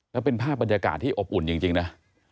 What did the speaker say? แล้วเป็นภาพบรรยากาศที่อบอุ่นจริงนะ